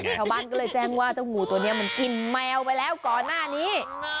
ชาวบ้านก็เลยแจ้งว่าเจ้างูตัวนี้มันกินแมวไปแล้วก่อนหน้านี้